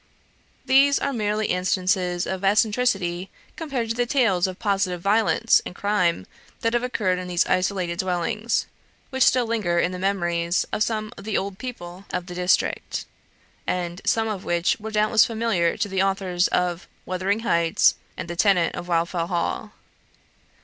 These are merely instances of eccentricity compared to the tales of positive violence and crime that have occurred in these isolated dwellings, which still linger in the memories of the old people of the district, and some of which were doubtless familiar to the authors of "Wuthering Heights" and "The Tenant of Wildfell Hall."